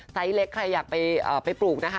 เล็กใครอยากไปปลูกนะคะ